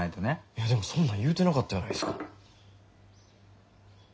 いやでもそんなん言うてなかったやないですか。